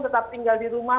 tetap tinggal di rumah